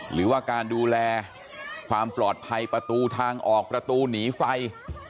หรือว่าการดูแลความปลอดภัยประตูทางออกประตูหนีไฟ